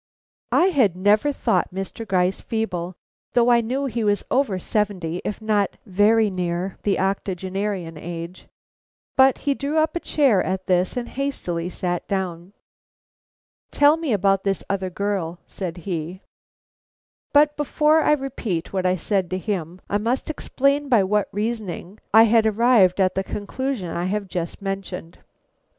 I had never thought Mr. Gryce feeble, though I knew he was over seventy if not very near the octogenarian age. But he drew up a chair at this and hastily sat down. "Tell me about this other girl," said he. But before I repeat what I said to him, I must explain by what reasoning I had arrived at the conclusion I have just mentioned.